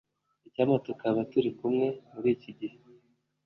icyampa tukaba turi kumwe muri iki gihe